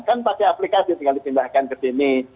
kan pakai aplikasi tinggal dipindahkan ke sini